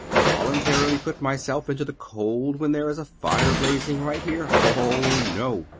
Voluntarily put myself into the cold when there is a fire blazing right here? Ah, no.